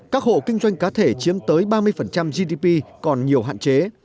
các hộ kinh doanh cá thể chiếm tới ba mươi gdp còn nhiều hạn chế